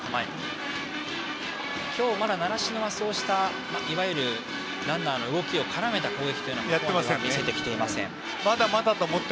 今日はまだ習志野はそうした、いわゆるランナーの動きを絡めた攻撃はまだやっていません。